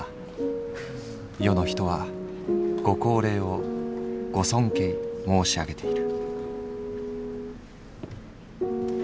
世の人は御高齢を御尊敬申しあげている」。